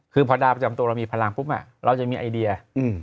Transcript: คือพอดาวประจำตัวเรามีพลังปุ๊บเราจะมีไอเดีย